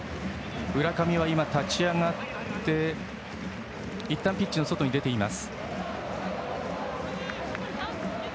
浦上は今、立ち上がっていったんピッチの外に出ています。